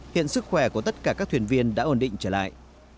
hiện sức khỏe của tất cả các thuyền viên đã ổn định trở lại